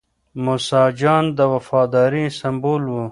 موسی جان د وفادارۍ سمبول و.